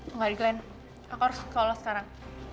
enggak dikeluarin aku harus ke kolo sekarang